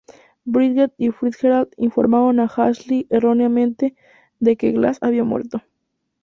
Bridger y Fitzgerald informaron a Ashley -erróneamente- de que Glass había muerto.